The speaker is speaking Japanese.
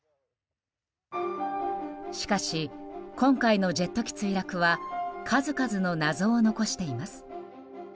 しかし、今回のジェット機墜落は数々の謎を残しています。